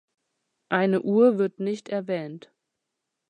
Eine Uhr wird nicht erwähnt.